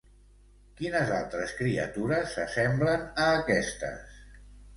Quines altres criatures s'assemblen a aquestes?